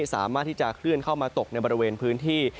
สามารถที่จะเคลื่อนเข้ามาตกในบริเวณพื้นที่